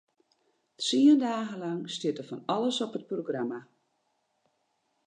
Tsien dagen lang stiet der fan alles op it programma.